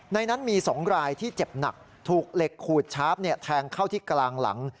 ในนั้นมี๒รายที่เจ็บหนักถูกเหล็กขูดชาร์ฟแทงเข้าที่กลางหลัง